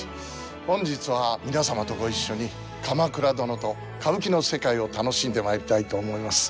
本日は皆様とご一緒に「鎌倉殿」と歌舞伎の世界を楽しんでまいりたいと思います。